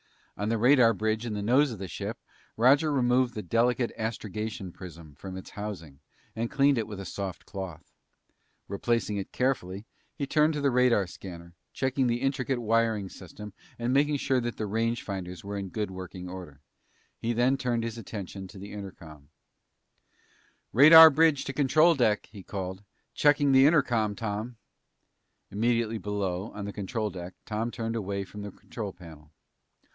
On the radar bridge in the nose of the ship, Roger removed the delicate astrogation prism from its housing and cleaned it with a soft cloth. Replacing it carefully, he turned to the radar scanner, checking the intricate wiring system and making sure that the range finders were in good working order. He then turned his attention to the intercom. "Radar bridge to control deck," he called. "Checking the intercom, Tom." Immediately below, on the control deck, Tom turned away from the control panel.